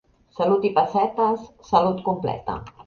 Salut i pessetes, salut completa.